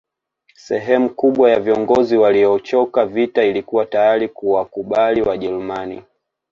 Sehemu kubwa ya viongozi waliochoka vita ilikuwa tayari kuwakubali Wajerumani